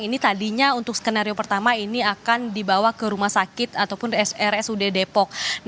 ini tadinya untuk skenario pertama ini akan dibawa ke rumah sakit ataupun rsud depok